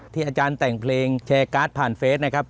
อาจารย์แต่งเพลงแชร์การ์ดผ่านเฟสนะครับ